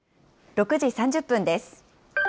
６時３０分です。